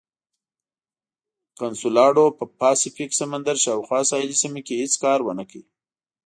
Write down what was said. کنسولاډو په پاسفیک سمندر شاوخوا ساحلي سیمو کې هېڅ کار ونه کړ.